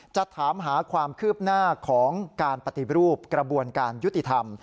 จะถามหาความคืบหน้าของการปฏิรูปกระบวนการยุติธรรม